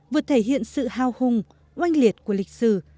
vừa thể hiện sự hao hung oanh liệt của lịch sử